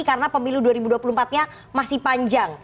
karena pemilu dua ribu dua puluh empat nya masih panjang